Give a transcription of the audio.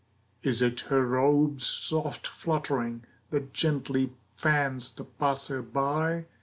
Is it her robe's soft fluttering That gently fans the passer by?